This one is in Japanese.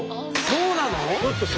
そうなの？